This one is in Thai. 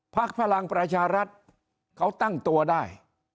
พลังประชารัฐเขาตั้งตัวได้